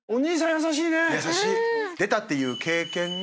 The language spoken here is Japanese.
優しい。